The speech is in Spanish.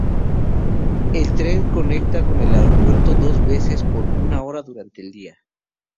El tren conecta con el aeropuerto dos veces por hora durante el día.